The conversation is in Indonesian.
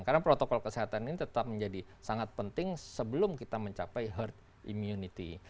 karena protokol kesehatan ini tetap menjadi sangat penting sebelum kita mencapai herd immunity